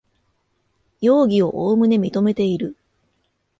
容疑をおおむね認めている